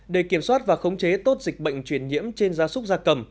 để kiểm soát và khống chế tốt dịch bệnh truyền nhiễm trên gia súc gia cầm